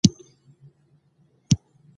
د تخار په ینګي قلعه کې د تیلو نښې شته.